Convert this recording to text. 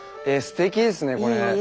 ステキですねこれ。